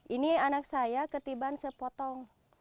ini anak saya ketiban sepotong